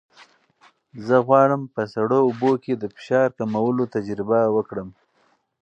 زه غواړم په سړو اوبو کې د فشار کمولو تجربه وکړم.